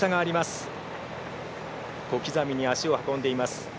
小刻みに足を運んでいます。